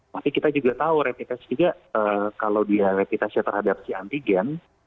tapi kita juga tahu replitest juga kalau dia replitestnya terhadap si antigen